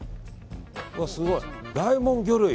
わあ、すごい、大門魚類！